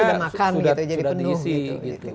memang sudah diisi gitu